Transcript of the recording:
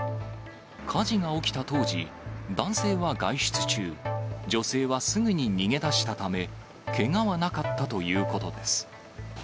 火事が起きた当時、男性は外出中、女性はすぐに逃げ出したため、けがはなかったということです。